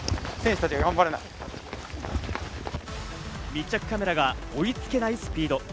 密着カメラが追いつけないスピード。